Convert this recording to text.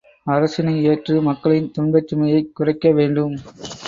அரசினை ஏற்று மக்களின் துன்பச்சுமையைக் குறைக்க வேண்டும்.